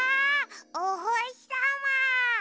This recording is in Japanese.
おほしさま！